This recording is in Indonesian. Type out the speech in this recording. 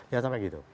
jangan sampai gitu